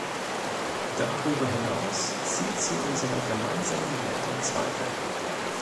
Darüber hinaus zieht sie unsere gemeinsamen Werte in Zweifel.